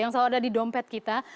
yang selalu ada di dompet kita